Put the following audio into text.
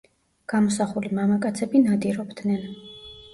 გამოსახული მამაკაცები ნადირობდნენ.